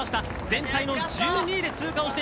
全体の１２位で通過。